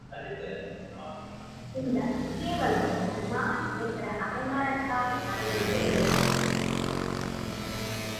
இந்தக் கேவலம் நான் என்ற அகங்காரத்தால் நடைபெறுகிறது.